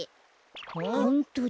ホントだ。